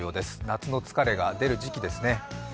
夏の疲れが出る時期ですね。